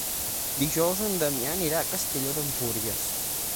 Dijous en Damià anirà a Castelló d'Empúries.